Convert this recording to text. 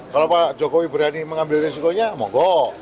kalau pak jokowi berani mengambil risikonya monggo